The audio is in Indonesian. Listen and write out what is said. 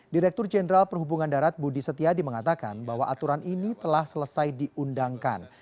direktur jenderal perhubungan darat budi setiadi mengatakan bahwa aturan ini telah selesai diundangkan